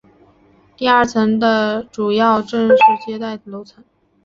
第二层是主要的正式接待楼层。